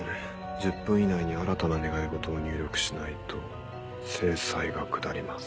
「１０分以内に新たな願い事を入力しないと制裁がくだります」。